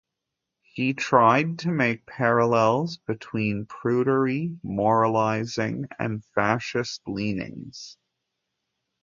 He tried to make parallels between prudery, moralizing, and fascist leanings.